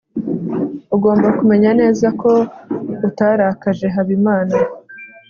ugomba kumenya neza ko utarakaje habimana